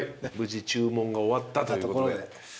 無事注文が終わったということで。